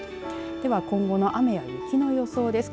では今後の雨や雪の予想です。